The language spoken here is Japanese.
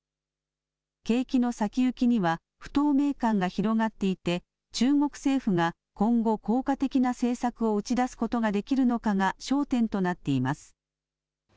景気の先行きには不透明感が広がっていて、中国政府が今後、効果的な政策を打ち出すことができるのかが焦点となっています。